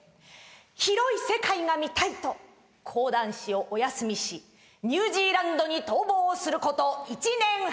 広い世界が見たいと講談師をお休みしニュージーランドに逃亡すること１年半。